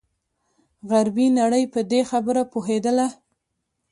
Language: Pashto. غربي نړۍ په دې خبره پوهېدله.